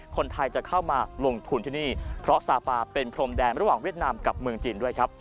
คนไทยจะเข้ามาลงทุนที่นี่เพราะซาปาเป็นพรมแดนระหว่างเวียดนามกับเมืองจีนด้วยครับ